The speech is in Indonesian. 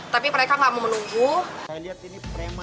tapi mereka nggak mau menunggu